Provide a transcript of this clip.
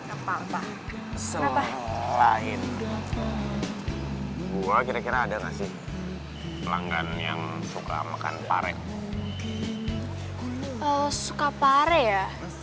apa apa selain gua kira kira ada masih pelanggan yang suka makan paret suka paret ya